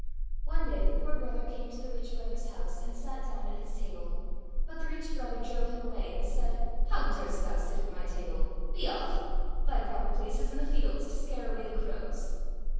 One day the poor brother came to the rich brother's house and sat down at his table ; but the rich brother drove him away and said, " How durst thou sit at my table ? Be off ! Thy proper place is in the fields to scare away the crows